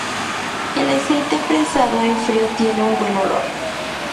El aceite prensado en frío tiene un buen olor.